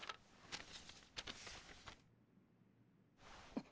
あっ。